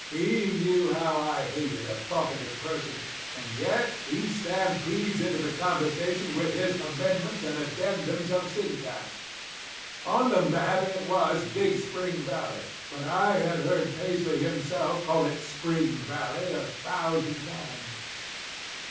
He knew how I hated a talkative person, and yet he stampedes into the conversation with his amendments and addendums of syntax. On the map it was Big Spring Valley; but I had heard Paisley himself call it Spring Valley a thousand times.